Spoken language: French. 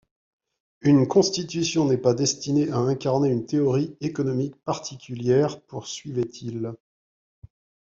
Une Constitution n'est pas destinée à incarner une théorie économique particulière, poursuivait-il.